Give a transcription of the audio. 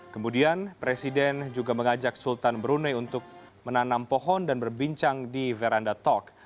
kemudian presiden juga mengajak sultan brunei untuk menanam pohon dan berbincang di veranda talk